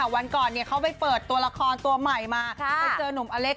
วันก่อนเขาไปเปิดตัวละครตัวใหม่มาไปเจอหนุ่มอเล็ก